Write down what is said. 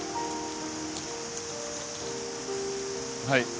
はい。